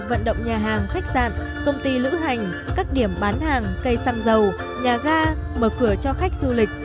vận động nhà hàng khách sạn công ty lữ hành các điểm bán hàng cây xăng dầu nhà ga mở cửa cho khách du lịch